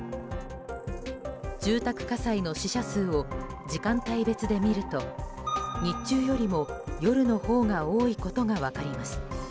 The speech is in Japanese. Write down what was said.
住宅火災の死者数を時間帯別で見ると日中よりも夜のほうが多いことが分かります。